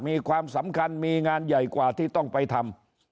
มีความสำคัญมีงานใหญ่กว่าที่ต้องไปทำ